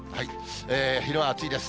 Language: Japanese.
昼は暑いです。